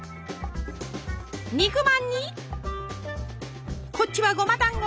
肉まんにこっちはごまだんご。